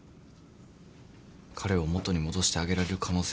彼を元に戻してあげられる可能性があるのに。